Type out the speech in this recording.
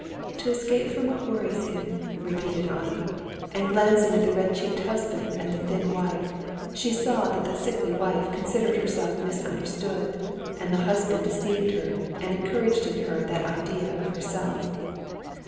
"To escape from what worries him," repeated Anna. And glancing at the red cheeked husband and the thin wife, she saw that the sickly wife considered herself misunderstood, and the husband deceived her and encouraged her in that idea of herself.